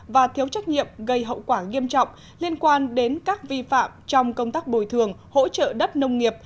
và thiếu trách nhiệm gây hậu quả nghiêm trọng liên quan đến các vi phạm trong công tác bồi thường hỗ trợ đất nông nghiệp